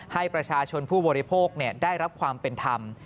ให้ประชาชนผู้บริโภคได้รับความเป็นธรรม